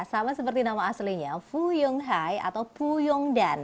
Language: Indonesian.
sama seperti nama aslinya fuyung hai atau fuyung dan